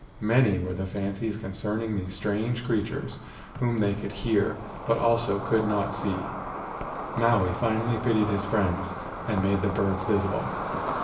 Many were the fancies concerning these strange creatures whom they could hear but could not see. Maui finally pitied his friends and made the birds visible.